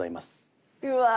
うわ！